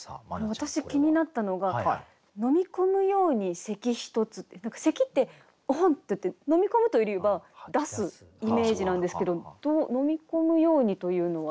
私気になったのが「飲み込むやうに咳ひとつ」って咳ってオホンッていって飲み込むというよりは出すイメージなんですけど「飲み込むやうに」というのはどういった？